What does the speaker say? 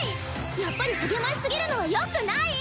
やっぱり励まし過ぎるのは良くない！